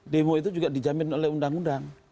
demo itu juga dijamin oleh undang undang